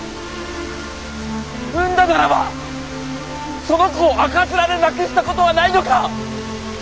産んだならばその子を赤面で亡くしたことはないのか！